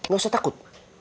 gak usah takut